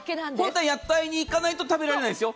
本当は屋台に行かないと食べられないんですよ。